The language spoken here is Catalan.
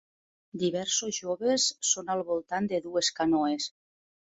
Diversos joves són al voltant de dues canoes.